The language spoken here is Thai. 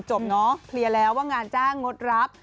จบเนอะเผลี่ยแล้วว่างานจ้างงดรับ